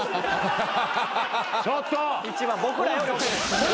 ちょっと！